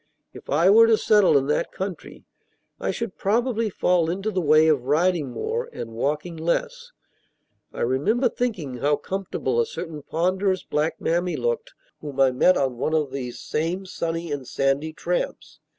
If I were to settle in that country, I should probably fall into the way of riding more, and walking less. I remember thinking how comfortable a certain ponderous black mammy looked, whom I met on one of these same sunny and sandy tramps.